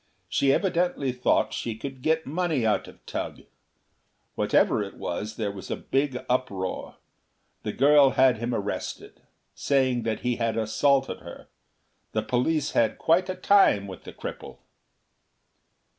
She evidently thought she could get money out of Tugh. Whatever it was, there was a big uproar. The girl had him arrested, saying that he had assaulted her. The police had quite a time with the cripple."